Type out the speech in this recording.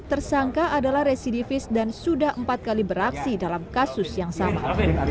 tersangka adalah residivis dan sudah empat kali beraksi dalam kasus yang sama